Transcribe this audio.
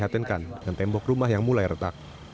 dan tembok rumah yang mulai retak